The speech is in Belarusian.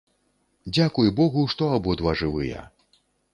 Дзякуй богу, што абодва жывыя.